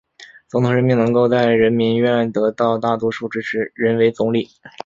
总统任命能够在人民院得到大多数支持的人为总理。